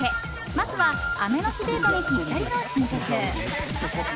まずは雨の日デートにぴったりの新曲。